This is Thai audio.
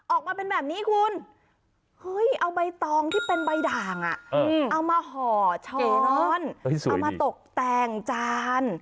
ออกมาเป็นแบบนี้คุณเฮ้ยเอาใบตองที่เป็นใบด่างเอามาห่อช่อนอนเอามาตกแต่งจาน